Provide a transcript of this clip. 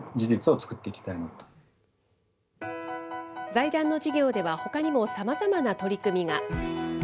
財団の事業では、ほかにも、さまざまな取り組みが。